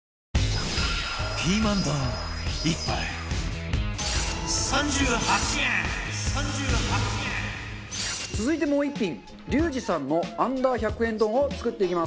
ピーマン丼１杯続いてもう１品リュウジさんの Ｕ−１００ 円丼を作っていきます。